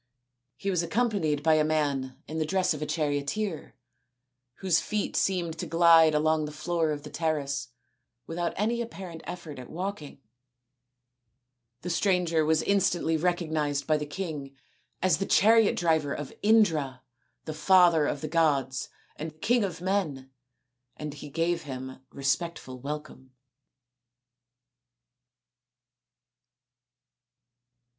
He was accom panied by a man in the dress of a charioteer, whose feet seemed to glide along the floor of the terrace without any apparent effort at walking. The stranger was instantly recognised by the king as the chariot driver of Indra, the father of the gods and king of men, and he gave him respectful welcome.